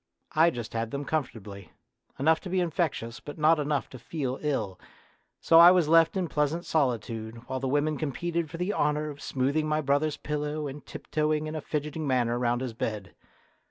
I just had them comfortably ; enough to be infectious, but not enough to feel ill, so I was left in pleasant solitude while the women competed for the honour of smoothing my brothers' pillow and tiptoeing in a fidgeting manner round his bed.